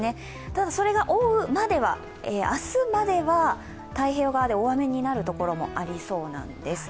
ただ、それが覆うまでは、明日までは太平洋側で大雨になる所もありそうなんです。